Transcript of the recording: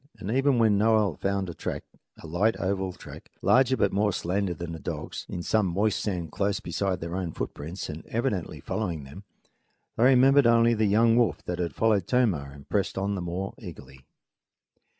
And even when Noel found a track, a light oval track, larger but more slender than a dog's, in some moist sand close beside their own footprints and evidently following them, they remembered only the young wolf that had followed Tomah and pressed on the more eagerly.